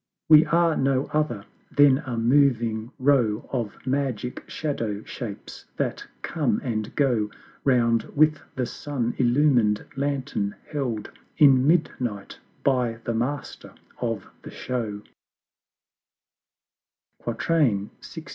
We are no other than a moving row Of Magic Shadow shapes that come and go Round with the Sun illumined Lantern held In Midnight by the Master of the Show; LXIX.